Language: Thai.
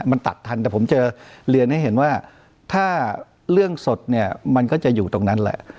มันตัดทันแต่ผมจะเรียนให้เห็นว่าถ้าเรื่องสดเนี่ยมันก็จะอยู่ตรงนั้นแหละ